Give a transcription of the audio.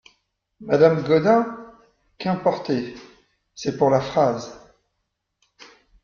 Madame Gaudin Qu'importé ? c'est pour la phrase !